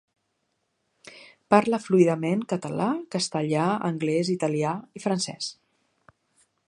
Parla fluidament català, castellà, anglès, italià i francès.